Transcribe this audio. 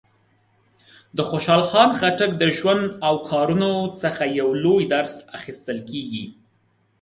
د خوشحال خان خټک د ژوند او کارونو څخه یو لوی درس اخیستل کېږي.